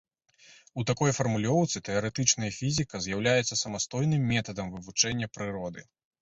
У такой фармулёўцы тэарэтычная фізіка з'яўляецца самастойным метадам вывучэння прыроды.